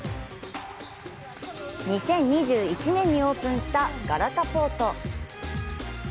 ２０２１年にオープンしたガラタポート。